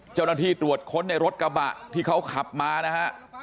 เจ้าหน้าที่ตรวจค้นในรถกระบะที่เขาขับมานะฮะ